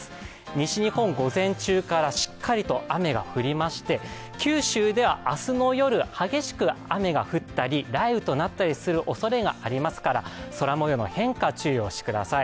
西日本、午前中からしっかりと雨が降りまして、九州では明日の夜、激しく雨が降ったり、雷雨となったりするおそれがありますから、空もようの変化、注意をしてください。